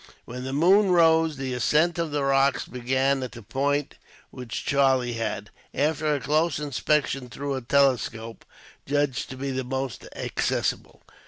When the moon rose, the ascent of the rocks began at the point which Charlie had, after a close inspection through a telescope, judged to be most accessible.